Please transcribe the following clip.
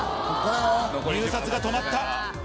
入札が止まった。